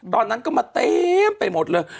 ตอนนั้นก็มาเต็มไปหมดเลย